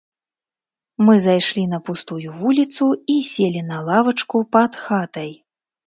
Мы зайшлі на пустую вуліцу і селі на лавачку пад хатай.